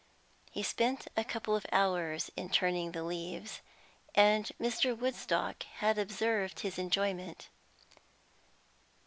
He spent a couple of hours in turning the leaves, and Mr. Woodstock had observed his enjoyment.